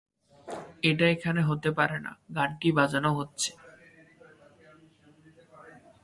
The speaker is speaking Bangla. "এটা এখানে হতে পারে না" গানটি বাজানো হচ্ছে।